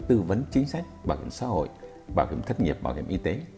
tư vấn chính sách bảo hiểm xã hội bảo hiểm thất nghiệp bảo hiểm y tế